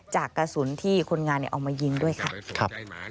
จากกระสุนที่คนงานเอามายิงด้วยค่ะ